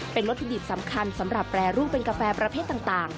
เป็นวัตถุดิบสำคัญสำหรับแปรรูปเป็นกาแฟประเภทต่าง